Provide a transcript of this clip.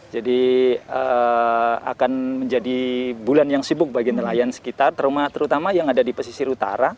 jadi akan menjadi bulan yang sibuk bagi nelayan sekitar rumah terutama yang ada di pesisir utara